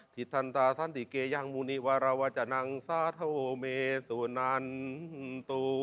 ที่ทันตาสันติเกยังมูนิวารวจนังสาโทเมสุนันโต